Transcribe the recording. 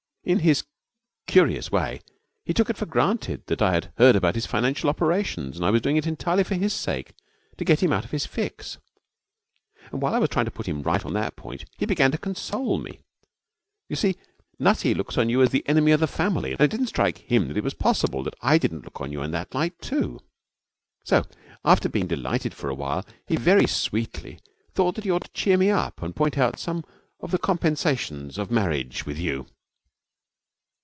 In his curious way, he took it for granted that I had heard about his financial operations, and was doing it entirely for his sake, to get him out of his fix. And while I was trying to put him right on that point he began to console me. You see, Nutty looks on you as the enemy of the family, and it didn't strike him that it was possible that I didn't look on you in that light too. So, after being delighted for a while, he very sweetly thought that he ought to cheer me up and point out some of the compensations of marriage with you.